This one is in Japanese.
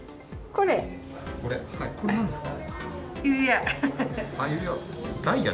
これなんですか？